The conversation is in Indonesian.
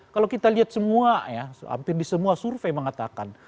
kalau kita lihat semua ya hampir di semua survei mengatakan